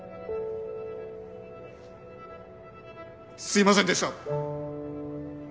すいませんでした。